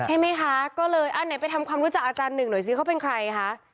ใช่ไหมคะก็เลยอันไหนไปทำความรู้จักอาจารย์หนึ่งหน่อยสิเขาเป็นใครคะ